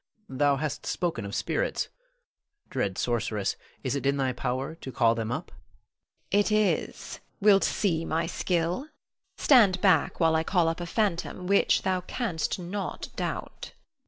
thou hast spoken of spirits. Dread sorceress, is it in thy power to call them up? Norna. It is. Wilt see my skill. Stand back while I call up a phantom which thou canst not doubt.